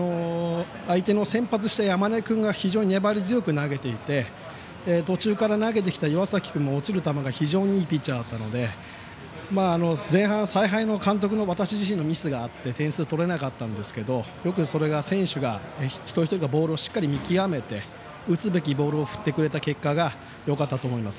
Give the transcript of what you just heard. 相手の先発した山根君が非常に粘り強く投げていて途中から投げてきた岩崎君も落ちる球が非常にいいピッチャーだったので前半、采配の監督の私自身のミスがあって点数を取れなかったんですが選手一人一人がよくボールをしっかり見極めて打つべきボールを振ってくれた結果がよかったと思います。